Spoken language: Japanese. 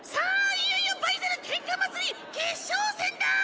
いよいよバイゼル喧嘩祭り決勝戦だ！